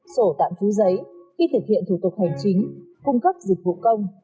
sổ tạm phú giấy khi thực hiện thủ tục hành chính cung cấp dịch vụ công